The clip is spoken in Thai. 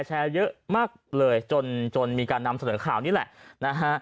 แชร์เยอะมากเลยจนจนมีการนำเสนอข่าวนี่แหละนะฮะ